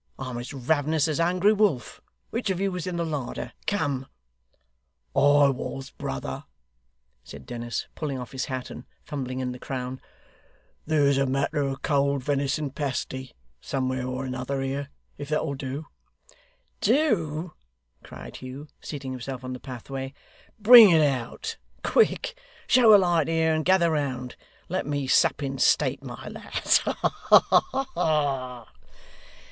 I'm as ravenous as a hungry wolf. Which of you was in the larder come?' 'I was, brother,' said Dennis, pulling off his hat, and fumbling in the crown. 'There's a matter of cold venison pasty somewhere or another here, if that'll do.' 'Do!' cried Hugh, seating himself on the pathway. 'Bring it out! Quick! Show a light here, and gather round! Let me sup in state, my lads! Ha ha ha!